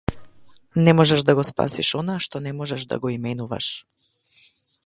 Не можеш да го спасиш она што не можеш да го именуваш.